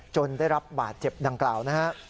จนได้รับบาดเจ็บดังกล่าว